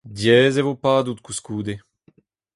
Diaes e vo padout koulskoude.